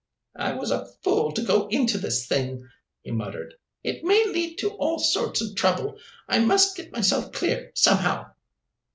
"I was a fool to go into this thing," he muttered. "It may lead to all sorts of trouble. I must get myself clear somehow."